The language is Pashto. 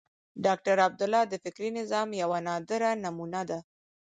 ډاکټر عبدالله د فکري نظام یوه نادره نمونه ده.